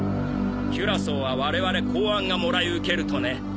キュラソーは我々公安がもらい受けるとね。